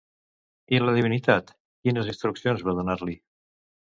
I la divinitat quines instruccions va donar-li?